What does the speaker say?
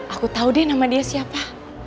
aku tau deh nama dia siapa